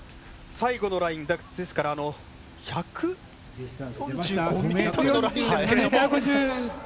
最後のライン。ですから１４５ｍのラインですけれども。